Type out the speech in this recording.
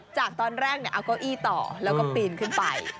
จากตอนแรกเอาเก้าอี้ต่อแล้วก็ปีนขึ้นไป